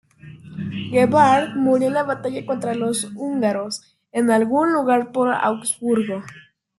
Gebhard, murió en la batalla contra los húngaros, en algún lugar por Augsburgo.